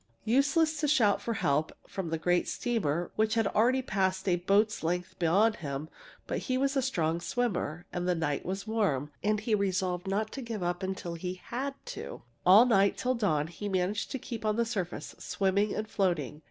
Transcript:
Useless to shout for help from the great steamer, which had already passed a boat's length beyond him. But he was a strong swimmer, the night was warm, and he resolved not to give up till he had to. "All night, till dawn, he managed to keep on the surface, swimming and floating.